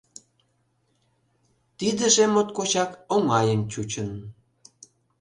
Тидыже моткочак оҥайын чучын.